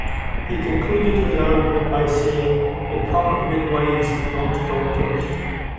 He concluded his argument by saying Become Midwives, not doctors!